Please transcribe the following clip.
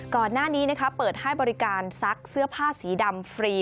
ก่อนหน้านี้เปิดให้บริการซักเสื้อผ้าสีดำฟรี